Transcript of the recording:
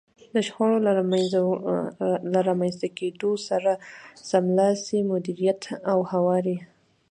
د شخړو له رامنځته کېدو سره سملاسي مديريت او هواری.